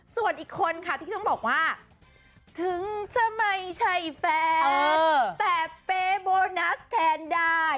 ส่วนอีกคนค่ะที่ต้องบอกว่าถึงจะไม่ใช่แฟนแต่เปย์โบนัสแทนได้